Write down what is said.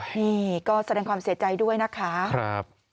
นี่ก็แสดงความเสียใจด้วยนะคะ